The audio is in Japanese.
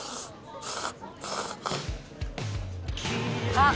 あっ！